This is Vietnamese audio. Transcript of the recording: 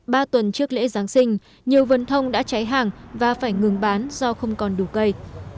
ba tuần trước lễ giáng sinh nhiều vận thông đã cháy hàng và phải ngừng bán do không còn đủ cây